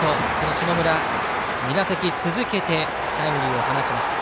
下村、２打席続けてタイムリーを放ちました。